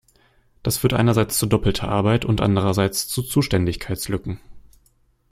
Das führt einerseits zu doppelter Arbeit und andererseits zu Zuständigkeitslücken.